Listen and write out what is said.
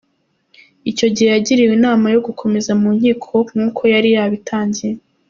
Icyo gihe yagiriwe inama yo gukomeza mu nkiko nk’uko yari yarabitangiye.